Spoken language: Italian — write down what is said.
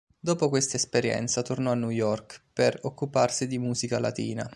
Dopo questa esperienza tornò a New York per occuparsi di Musica latina.